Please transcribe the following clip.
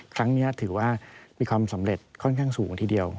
ครั้งนี้ถือว่ามีความสำเร็จค่อนข้างสูงทีเดียว